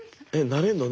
なれんの？